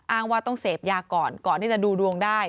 อ้างว่าต้องเสพยาก่อนก่อนที่จะดูดวงได้